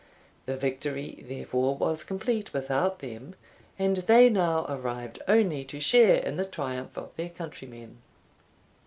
The victory, therefore, was complete without them, and they now arrived only to share in the triumph of their countrymen.